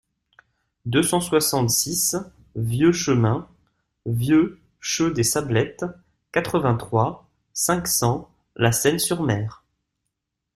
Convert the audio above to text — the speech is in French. deux cent soixante-six vieux Chemin Vieux Che des Sablettes, quatre-vingt-trois, cinq cents, La Seyne-sur-Mer